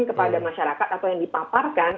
kepada masyarakat atau yang dipaparkan